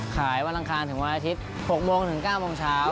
วันอังคารถึงวันอาทิตย์๖โมงถึง๙โมงเช้า